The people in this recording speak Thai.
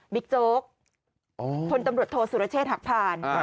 โจ๊กพลตำรวจโทษสุรเชษฐ์หักผ่าน